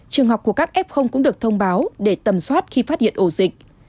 trường học của các f cũng được thông báo để tầm soát khi phát hiện ổ dịch